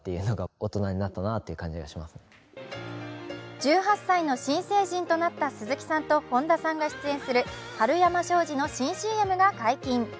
１８歳の新成人となった鈴木さんと本田さんが出演するはるやま商事の新ＣＭが解禁。